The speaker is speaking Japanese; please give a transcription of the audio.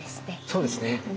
そうですねはい。